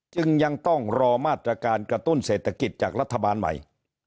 จึงยังต้องรอมาตรการกระตุ้นเศรษฐกิจจากรัฐบาลใหม่